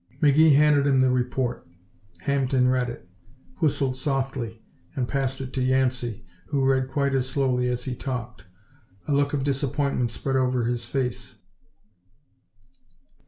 McGee handed him the report. Hampden read it, whistled softly and passed it to Yancey, who read quite as slowly as he talked. A look of disappointment spread over his face.